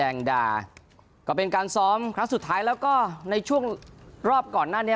ว่าก็ทีสินแดงดาก็เป็นการซ้อมของสุดท้ายแล้วก็ในช่วงรอบก่อนหน้าเนี้ย